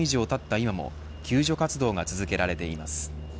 今も救助活動が続けられています。